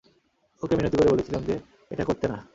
ওকে মিনতি করে বলেছিলাম যে এটা করতে না।